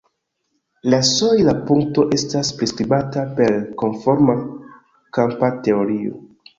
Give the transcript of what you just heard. La sojla punkto estas priskribata per konforma kampa teorio.